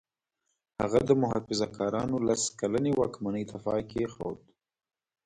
هغه د محافظه کارانو لس کلنې واکمنۍ ته پای کېښود.